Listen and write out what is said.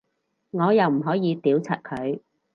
我又唔可以屌柒佢